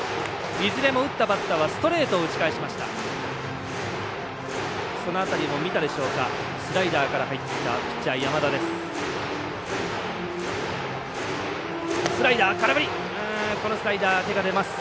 いずれも打ったバッターはストレートを打ち返しました。